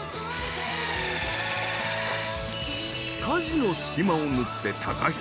家事の隙間を縫ってアハハ。